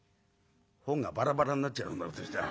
「本がバラバラになっちゃうそんなことしたら。